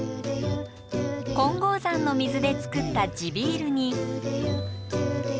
金剛山の水でつくった地ビールに。